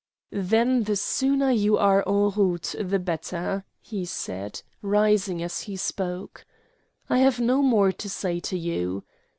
"Then the sooner you are en route the better," he said, rising as he spoke. "I have no more to say to you.